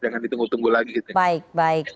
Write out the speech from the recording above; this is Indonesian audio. jangan ditunggu tunggu lagi